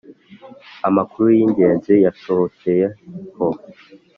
Amakuru y Ingenzi yasohokeyeho